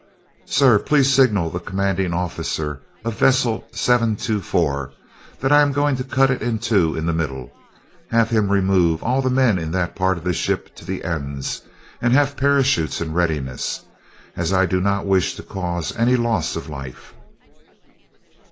"Sir, please signal the commanding officer of vessel seven two four that I am going to cut it in two in the middle. Have him remove all men in that part of the ship to the ends, and have parachutes in readiness, as I do not wish to cause any loss of life."